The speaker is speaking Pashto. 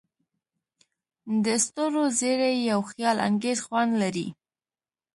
د ستورو زیرۍ یو خیالانګیز خوند لري.